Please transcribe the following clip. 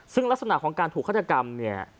ซึ่งลักษณะของการถูกฆาตกรรมเนี่ย